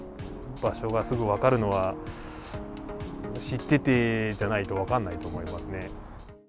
場所がすぐ分かるのは、知っててじゃないと分からないと思いますね。